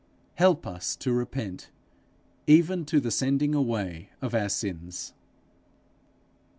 Help us to repent even to the sending away of our sins.